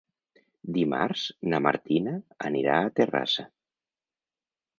Dimarts na Martina anirà a Terrassa.